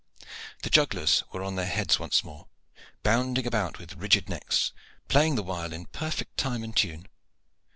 The jugglers were on their heads once more, bounding about with rigid necks, playing the while in perfect time and tune.